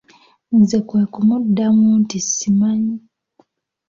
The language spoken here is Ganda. Nze kwe kumuddamu nti simanyi.